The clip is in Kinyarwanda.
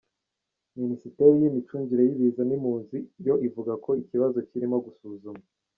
Minisiteri y’Imicungire y’ibiza n’impunzi yo ivuga ko ikibazo kirimo gusuzumwa.